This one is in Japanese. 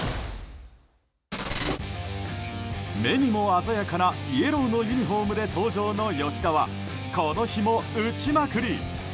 目にも鮮やかなイエローのユニホームで登場の吉田はこの日も打ちまくり！